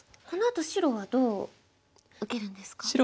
このあと白はどう受けるんですか？